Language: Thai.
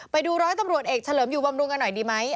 ไปดูร้อยตำรวจเอกเฉลิมอยู่บำรุงกันหน่อยดีไหม